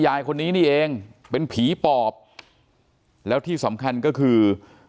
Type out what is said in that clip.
ยายคนนี้นี่เองเป็นผีปอบแล้วที่สำคัญก็คือ